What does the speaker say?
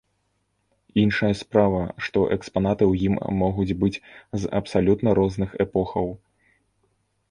Іншая справа, што экспанаты ў ім могуць быць з абсалютна розных эпохаў.